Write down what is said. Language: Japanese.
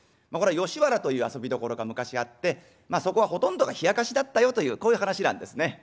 これは吉原という遊びどころが昔あってそこはほとんどがひやかしだったよというこういう噺なんですね。